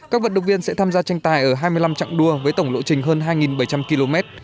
các vận động viên sẽ tham gia tranh tài ở hai mươi năm trạng đua với tổng lộ trình hơn hai bảy trăm linh km